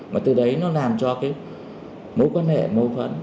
mà từ đấy nó làm cho cái mối quan hệ mâu thuẫn